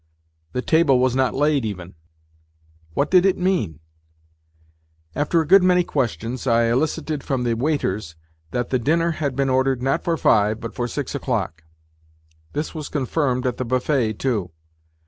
The table was not laid even. What did it mean ? After a good many questions I elicited from the waiters that the dinner had been ordered not for five, but for six o'clock. This was confirmed at the buffet too.